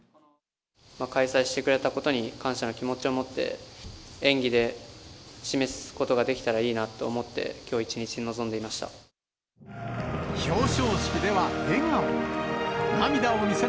開催してくれたことに、感謝の気持ちを持って、演技で示すことができたらいいなと思って、表彰式では笑顔。